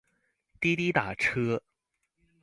滴滴打车